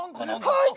はい！